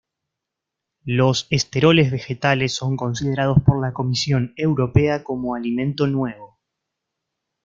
Los esteroles vegetales son considerados por la Comisión Europea como Alimento nuevo.